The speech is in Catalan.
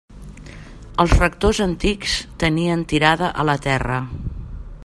Els rectors antics tenien tirada a la terra.